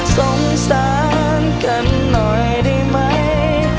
สงสารกันหน่อยได้ไหม